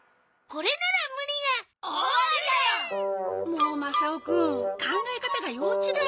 もうマサオくん考え方が幼稚だよ。